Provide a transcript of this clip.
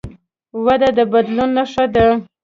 وده د بدلون نښه ده.